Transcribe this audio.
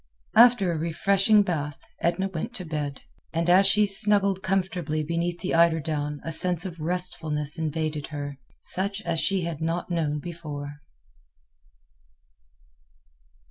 After a refreshing bath, Edna went to bed. And as she snuggled comfortably beneath the eiderdown a sense of restfulness invaded her, such as she had not known before.